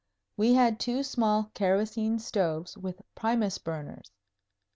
We had two small kerosene stoves with Primus burners.